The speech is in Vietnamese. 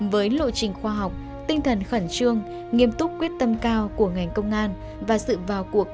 với lộ trình khoa học tinh thần khẩn trương nghiêm túc quyết tâm cao của ngành công an và sự vào cuộc